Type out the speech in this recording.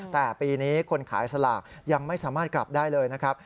แต่ปีนี้คนขายสลากยังไม่สามารถกลับได้เลยนะครับ